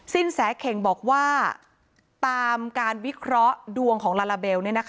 แสเข่งบอกว่าตามการวิเคราะห์ดวงของลาลาเบล